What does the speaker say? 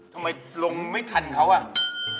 ทำไมลงไม่ทันเขาอ่ะ